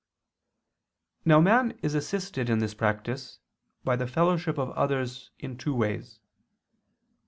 Now man is assisted in this practice by the fellowship of others in two ways.